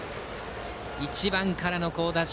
１番からの好打順。